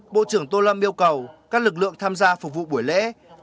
bộ trưởng tô lâm yêu cầu các lực lượng tham gia phục vụ buổi lễ